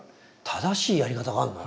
正しいやり方があるの？